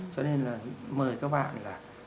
cho nên là mời các bạn là